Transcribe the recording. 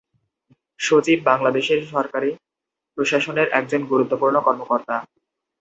সচিব বাংলাদেশের সরকারি প্রশাসনের একজন গুরুত্বপূর্ণ কর্মকর্তা।